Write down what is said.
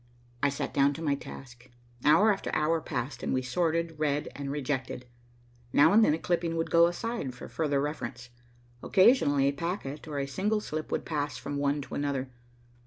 I sat down to my task. Hour after hour passed, and we sorted, read, and rejected. Now and then a clipping would go aside for further reference. Occasionally a packet or a single slip would pass from one to another.